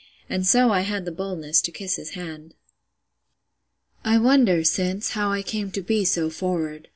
And so I had the boldness to kiss his hand. I wonder, since, how I came to be so forward.